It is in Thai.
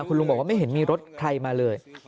คุณลุงบอกว่าไม่เห็นมีรถใครมาเลย